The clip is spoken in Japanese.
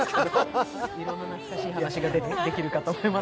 いろいろな懐かしい話ができるかと思います。